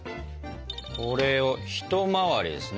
これをひと回りですね？